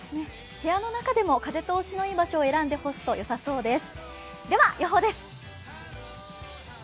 部屋の中でも風通しのいい場所を選んで干すのがよさそうです。